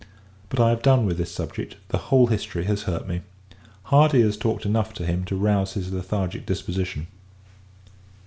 But, I have done with this subject; the whole history has hurt me. Hardy has talked enough to him, to rouze his lethargic disposition.